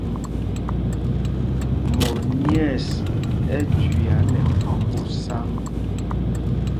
Mot nyɛ̂ɛs ɛ́ jüiá nɛ kūsā.